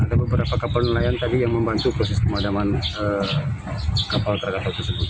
ada beberapa kapal nelayan tadi yang membantu proses pemadaman kapal travel tersebut